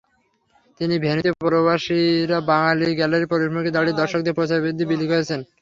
তিনটি ভেন্যুতে প্রবাসী বাঙালিরা গ্যালারির প্রবেশমুখে দাঁড়িয়ে দর্শকদের প্রচারপত্র বিলি করেছেন।